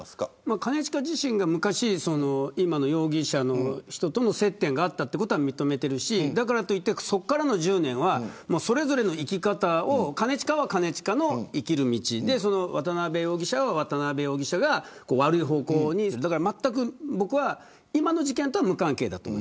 兼近自身が昔今の容疑者の人と接点があったことは認めているしだからといって、そこからの１０年は、それぞれの生き方兼近は兼近の生きる道渡辺容疑者は渡辺容疑者が悪い方向にということで僕は今の事件とは無関係だと思う。